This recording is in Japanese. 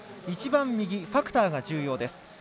一番右、ファクターが重要です。